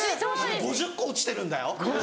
５０個落ちてるんだよ。